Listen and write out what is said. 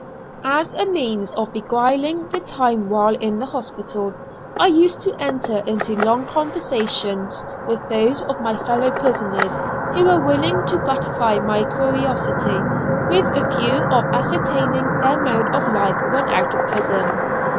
As a means of beguiling the time while in the hospital, I used to enter into long conversations with those of my fellow prisoners who were willing to gratify my curiosity, with a view of ascertaining their mode of life when out of prison.